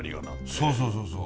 そうそうそうそう。